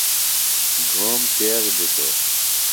گھوم تیغ دِتوۡ۔